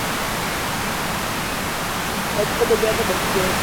ქვაზე იხატებოდა ეპიზოდები ჰოროსის ცხოვრებიდან, მავნე მხეცების დამარცხების სცენები.